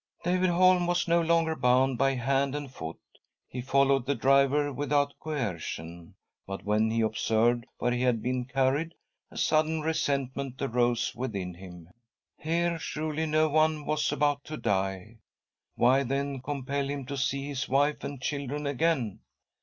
David Holm was no longer bound hand and foot ; he followed the driver without coercion ; but when he observed where he had been carried, a sudden resentment * arose within him. Here surely no oije was about to die ! Why then compel him to see his wife and children again